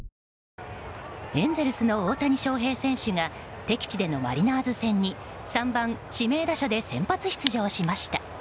エンゼルスの大谷翔平選手が敵地でのマリナーズ戦に３番指名打者で先発出場しました。